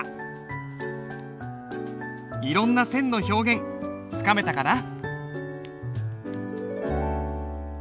いろんな線の表現つかめたかな？